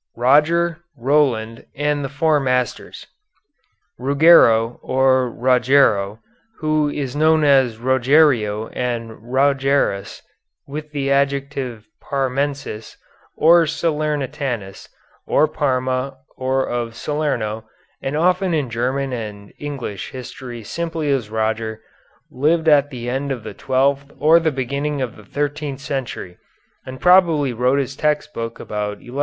ROGER, ROLAND, AND THE FOUR MASTERS Ruggero, or Rogero, who is also known as Rogerio and Rogerus with the adjective Parmensis, or Salernitanus, of Parma or of Salerno, and often in German and English history simply as Roger, lived at the end of the twelfth or the beginning of the thirteenth century and probably wrote his text book about 1180.